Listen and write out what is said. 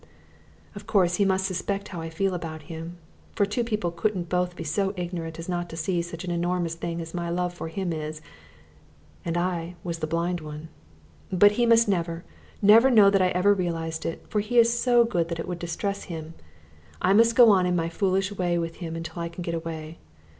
Of course, he must suspect how I feel about him, for two people couldn't both be so ignorant as not to see such an enormous thing as my love for him is, and I was the blind one. But he must never, never know that I ever realised it, for he is so good that it would distress him. I must just go on in my foolish way with him until I can get away.